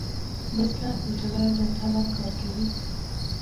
بزګر د زړۀ له تله کار کوي